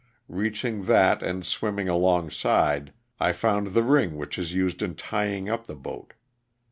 Reaching that and swimming alongside I found the ring which is used in tying up the boat.